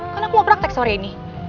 kan aku mau praktek sore ini